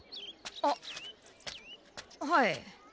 あっはい。